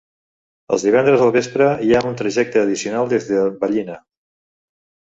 Els divendres al vespre hi ha un trajecte addicional des de Ballina.